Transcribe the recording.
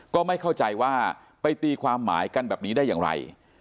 ก็ไม่เข้าใจว่าไปตีความหมายกันแบบนี้ได้อย่างไร